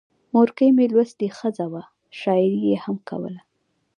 مورکۍ مې لوستې ښځه وه، شاعري یې هم کوله.